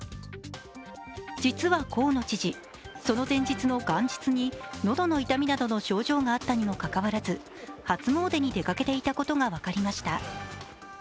実は河野知事、その前日の元日に喉の痛みなどの症状があったにもかかわらず初詣に出かけていたことが分かりました。